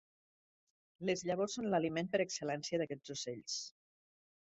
Les llavors són l'aliment per excel·lència d'aquests ocells.